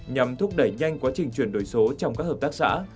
nhằm thúc đẩy nhanh quá trình chuyển đổi số trong các hợp tác xã